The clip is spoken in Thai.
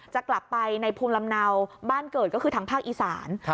จะกลับไปในภูมิลำเนาบ้านเกิดก็คือทางภาคอีสาน